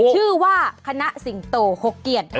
ชื่อว่าคณะสิงโต๖เกียรติ